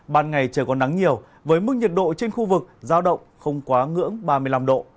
ban ngày trời còn nắng nhiều với mức nhiệt độ trên khu vực giao động không quá ngưỡng ba mươi năm độ